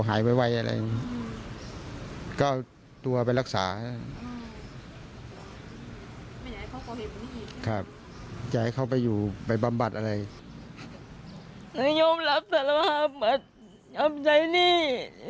นายยอมรับศาลภาพบัตรยอมใจหนี้